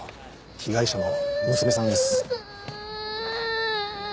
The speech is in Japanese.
被害者の娘さんです。